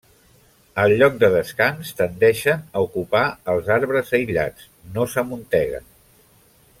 Al lloc de descans, tendeixen a ocupar els arbres aïllats, no s'amunteguen.